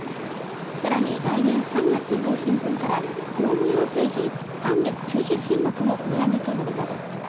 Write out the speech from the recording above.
更に、来年３月納品分から、業務用製品３９０品目も値上げとなります。